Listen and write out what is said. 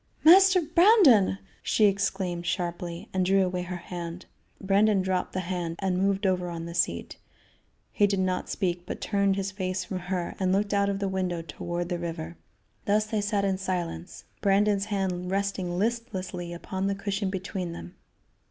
"Master Brandon!" she exclaimed sharply, and drew away her hand. Brandon dropped the hand and moved over on the seat. He did not speak, but turned his face from her and looked out of the window toward the river. Thus they sat in silence, Brandon's hand resting listlessly upon the cushion between them.